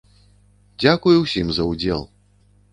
Дзякуй усім за удзел!